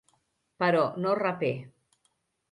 Però no rapè.